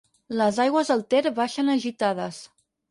Les aigües del Ter baixen agitades.